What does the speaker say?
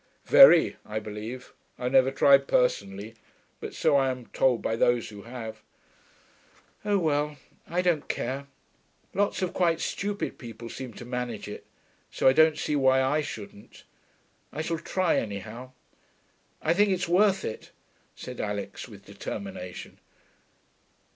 'Very, I believe. I've never tried personally, but so I am told by those who have.' 'Oh well, I don't care. Lots of quite stupid people seem to manage it, so I don't see why I shouldn't. I shall try, anyhow. I think it's worth it,' said Alix with determination.